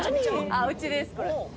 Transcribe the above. あうちですこれ。